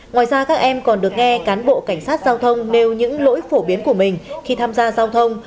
ngoài ra các em còn được nghe cán bộ cảnh sát giao thông nêu những lỗi phổ biến của mình khi tham gia giao thông